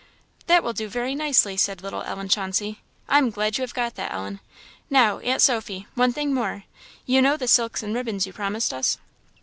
"That will do very nicely," said little Ellen Chauncey "I am glad you have got that, Ellen. Now, Aunt Sophy! one thing more you know the silks and ribbons you promised us?"